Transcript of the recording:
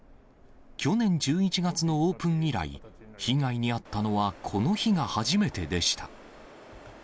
去年１１月のオープン以来、被害に遭ったのはこの日が初めてでした。